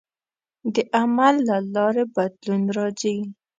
د عمل له لارې بدلون راځي.